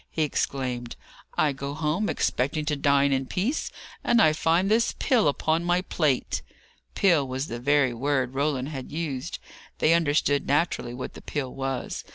he exclaimed. "I go home, expecting to dine in peace, and I find this pill upon my plate!" Pill was the very word Roland had used. They understood, naturally, what the pill was.